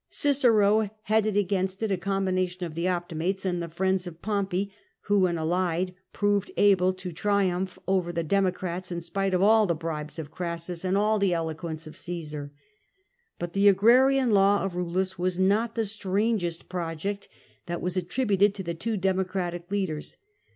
Cicero headed against it a combination of the Optimates and the friends of Pompey, who when allied proved able to triumph over the Democrats, in spite of all the bribes of Crassus and all the eloquence of Csesar. But the agrarian law of Eullus was not the strangest project that was attributed to the two Democratic leaders.